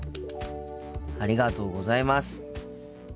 ありがとうございます。